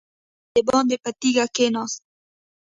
خو هغه دباندې په تيږه کېناست.